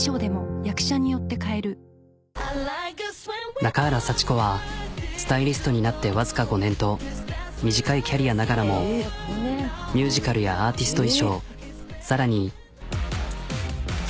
中原幸子はスタイリストになって僅か５年と短いキャリアながらもミュージカルやアーティスト衣装更に。